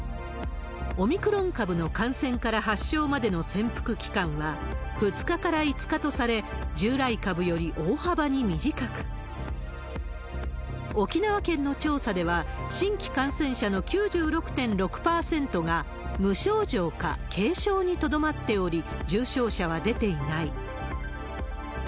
オミクロン株の感染から発症までの潜伏期間は、２日から５日とされ、従来株より大幅に短く、沖縄県の調査では、新規感染者の９６．６％が無症状か軽症にとどまっており、重症者は出ていない。